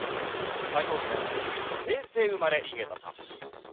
解答者の中で唯一の平成生まれ井桁さん。